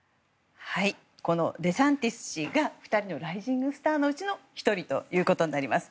このデサンティス氏が２人のライジングスターのうちの１人ということになります。